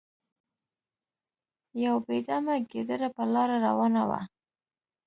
یو بې دمه ګیدړه په لاره روانه وه.